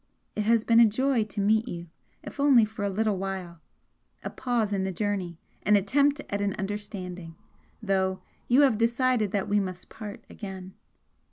It has been a joy to meet you, if only for a little while a pause in the journey, an attempt at an understanding! though you have decided that we must part again."